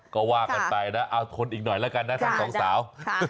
ก็ว่ากันไปนะเอาทนอีกหน่อยแล้วกันนะทั้งสองสาว